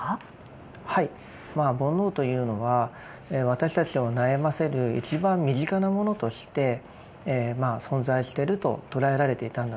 煩悩というのは私たちを悩ませる一番身近なものとして存在してると捉えられていたんだと思います。